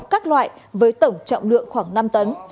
vải với tổng trọng lượng khoảng năm tấn